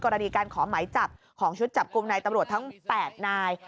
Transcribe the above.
กรณีการขอหมายจับของชุดจับกลุ่มนายตำรวจทั้ง๘นาย